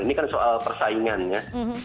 ini kan soal persaingannya